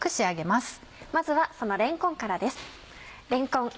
まずはそのれんこんからです。